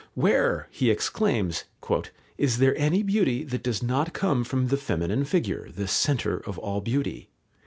"Where," he exclaims, "is there any beauty that does not come from the feminine figure, the centre of all beauty?